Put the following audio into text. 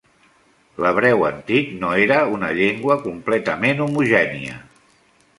L'hebreu antic no era una llengua completament homogènia.